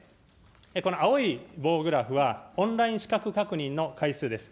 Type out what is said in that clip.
この青い棒グラフはオンライン資格確認の回数です。